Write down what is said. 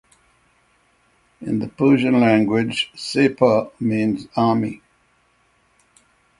In the Persian language "Sepah" means "army".